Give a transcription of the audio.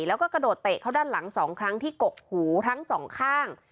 แล้วก็กระโดดเตะเข้าด้านหลัง๒ครั้งที่กกหูทั้งสองข้าง